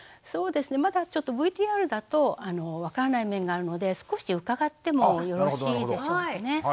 そうですねまだちょっとＶＴＲだと分からない面があるので少し伺ってもよろしいでしょうかね？